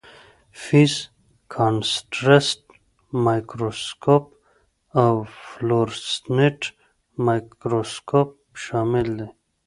فیز کانټرسټ مایکروسکوپ او فلورسینټ مایکروسکوپ شامل دي.